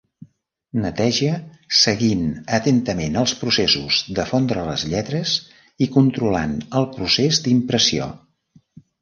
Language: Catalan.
Neteja seguint atentament els processos de fondre les lletres i controlant el procés d'impressió.